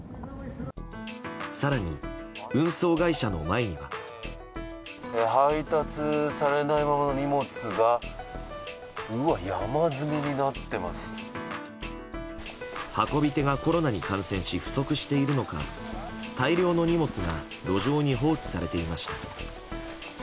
更に、運送会社の前には。運び手がコロナに感染し不足しているのか大量の荷物が路上に放置されていました。